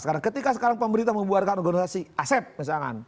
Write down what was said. sekarang ketika sekarang pemerintah membuarkan organisasi asep misalkan